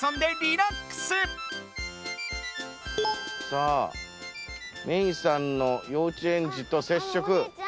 さあメイさんの幼稚園児とせっしょく。